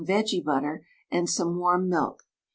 Vegebutter, and some warm milk.